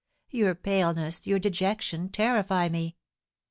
Your paleness, your dejection, terrify me.